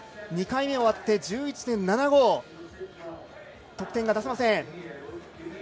２回目終わって１１．７５、得点が出せません。